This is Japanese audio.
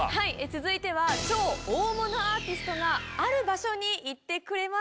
続いては超大物アーティストがある場所に行ってくれました。